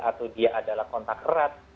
atau dia adalah kontak erat